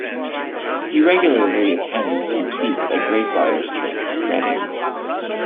He regularly attends and speaks at Greyfriars Church, Reading.